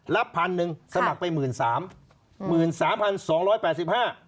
รับพันหนึ่งสมัครไปหมื่นสามหมื่นสามพันสองร้อยแปดสิบห้า